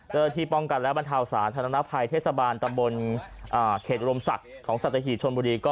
เจอที่ปองกัดและบรรทาวศาสนธนภัยเทศบาลตำบลเขตโรมศักดิ์ของสัตว์ตะหิตชนบุรี